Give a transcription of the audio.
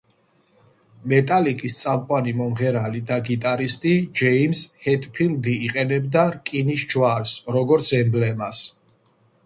მეტალიკის წამყვანი მომღერალი და გიტარისტი ჯეიმზ ჰეტფილდი იყენებდა რკინის ჯვარს როგორც ემბლემას.